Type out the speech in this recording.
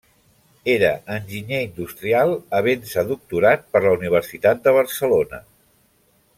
Era enginyer industrial, havent-se doctorat per la Universitat de Barcelona.